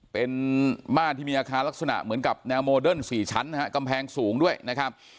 เป็นบ้านที่มีอาคารลักษณะเหมือนกับแนวโมเดิร์น๔ชั้นนะฮะกำแพงสูงด้วยนะครับ